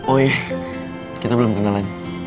oh iya kita belum kenalan